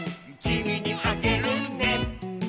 「きみにあげるね」